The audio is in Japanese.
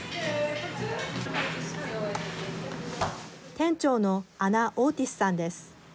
店長のアナ・オーティスさんです。